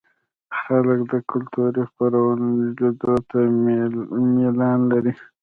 خلک د کلتوري خپرونو لیدو ته میلان لري.